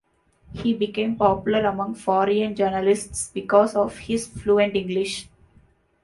He became popular among foreign journalists because of his fluent English.